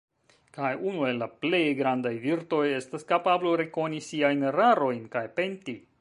Kaj unu el la plej grandaj virtoj estas kapablo rekoni siajn erarojn kaj penti.